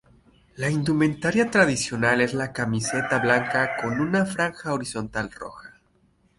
La indumentaria tradicional es la camiseta blanca, con una franja horizontal roja.